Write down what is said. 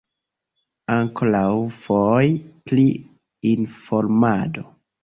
Ankoraŭfoje pri informado.